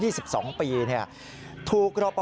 ถูกรับประพันธ์ของผู้หญิงเขานะครับ